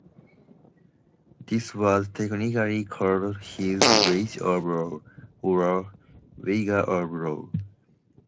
This was technically called his "wage of law" or "wager of law".